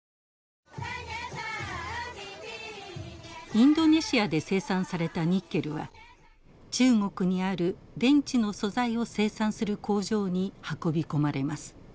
インドネシアで生産されたニッケルは中国にある電池の素材を生産する工場に運び込まれます。